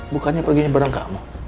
bukannya perginya bareng kamu